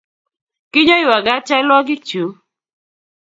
kiinyoiwa gat chalwokigkyu